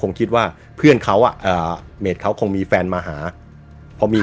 คิดว่าเพื่อนเขาอ่ะเอ่อเมดเขาคงมีแฟนมาหาพอมี